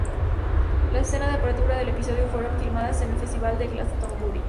Las escenas de apertura del episodio fueron filmadas en el Festival de Glastonbury.